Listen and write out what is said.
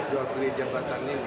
jual beli jabatan ini